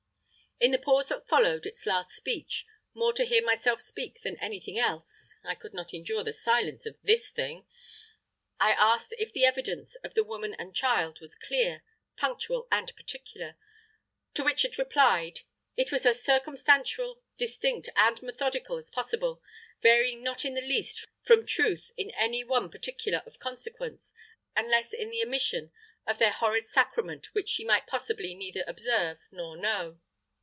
In the pause that followed its last speech, more to hear myself speak than anything else (I could not endure the silence of THIS THING), I asked if the evidence of the woman and child was clear, punctual and particular; to which it replied, "It was as circumstantial, distinct and methodical as possible; varying not in the least from truth in any one particular of consequence, unless in the omission of their horrid sacrament which she might possibly neither observe nor know."